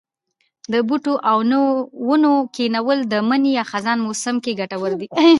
د بوټو او ونو کښېنول د مني یا خزان موسم کې کټور دي.